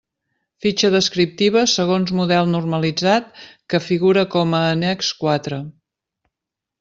Fitxa descriptiva, segons model normalitzat que figura com a annex quatre.